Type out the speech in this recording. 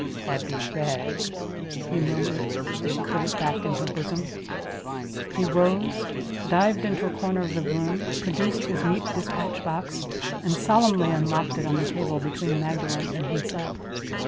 "Happy bag!" he murmured, as she put it back in her bosom. He rose; dived into a corner of the room; produced his neat dispatch box; and solemnly unlocked it on the table between Magdalen and himself.